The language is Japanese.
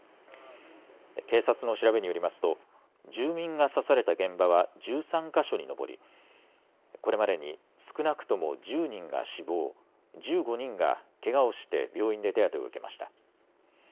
警察の調べによりますと住民が刺された現場は１３か所に上りこれまでに少なくとも１０人が死亡、１５人がけがをして病院で手当てを受けました。